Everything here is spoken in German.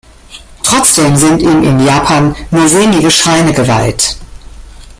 Trotzdem sind ihm in Japan nur wenige Schreine geweiht.